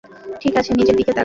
ঠিক আছে, নিজের দিকে তাকাও।